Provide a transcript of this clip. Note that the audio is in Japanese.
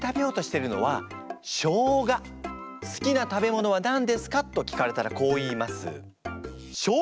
やっぱり「好きな食べ物は何ですか？」と聞かれたらこう言います。